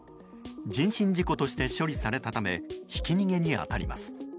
人身事故として処理されたためひき逃げに当たります。